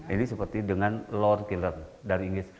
ini seperti dengan loan killer dari inggris